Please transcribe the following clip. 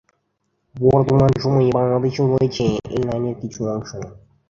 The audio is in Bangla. বর্তমান সময়ে বাংলাদেশে রয়েছে এই লাইনের কিছু অংশ।